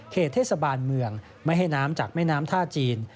เทศบาลเมืองไม่ให้น้ำจากแม่น้ำท่าจีน